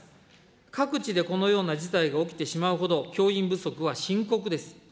各地でこのような事態が起きてしまうほど、教員不足は深刻です。